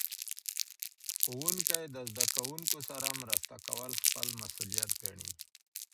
ښوونکي د زده کوونکو سره مرسته کول خپل مسؤلیت ګڼي.